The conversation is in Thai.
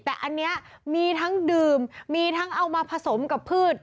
แต่อันนี้มีทั้งดื่มมีทั้งเอามาผสมกับพืช